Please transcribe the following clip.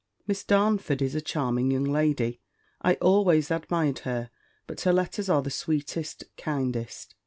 Miss Darnford is a charming young lady. I always admired her; but her letters are the sweetest, kindest!